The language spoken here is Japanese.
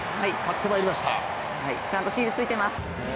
ちゃんとシールついてます。